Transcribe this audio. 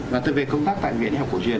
và từ về công tác tại nguyễn y học cổ truyền